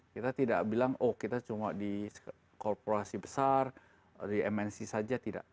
kita tidak bilang oh kita cuma di korporasi besar di mnc saja tidak